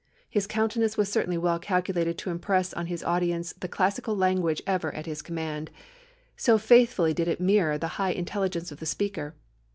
His countenance was certainly well calculated to impress on his audience the classical language ever at his command so faithfully did it mirror the high intelligence of the speaker....